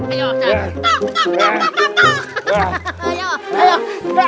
ada satu his a